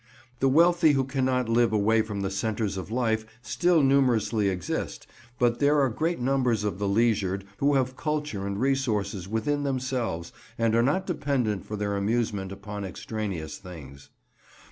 The wealthy who cannot live away from the centres of life still numerously exist, but there are great numbers of the leisured who have culture and resources within themselves and are not dependent for their amusement upon extraneous things.